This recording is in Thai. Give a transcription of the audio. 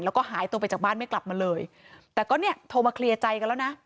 แล้วก็หายตัวไปจากบ้านไม่กลับมาเลยแต่ก็เนี่ยโทรมาเคลียร์ใจกันแล้วนะ